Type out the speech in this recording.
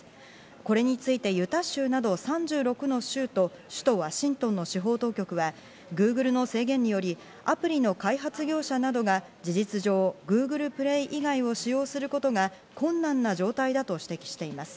これについてユタ州など３６の州と首都・ワシントンの司法当局は、Ｇｏｏｇｌｅの制限によりアプリの開発業者などが事実上、ＧｏｏｇｌｅＰｌａｙ以外を使用することが困難な状態だと指摘しています。